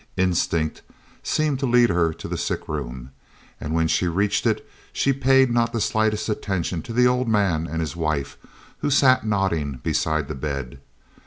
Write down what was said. Instinct seemed to lead her to the sick room, and when she reached it she paid not the slightest attention to the old man and his wife, who sat nodding beside the bed.